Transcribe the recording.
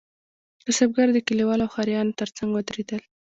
کسبګر د کلیوالو او ښاریانو ترڅنګ ودریدل.